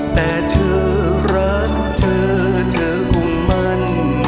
แต่เธอรักเธอเธอคงมั่น